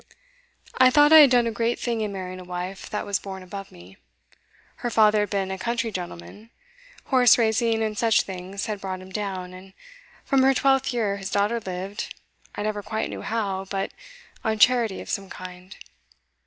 'I thought I had done a great thing in marrying a wife that was born above me. Her father had been a country gentleman; horse racing and such things had brought him down, and from her twelfth year his daughter lived I never quite knew how, but on charity of some kind.